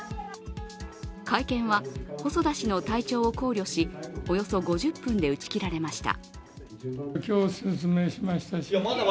会見は細田氏の体調を考慮し、およそ５０分で打ち切られました。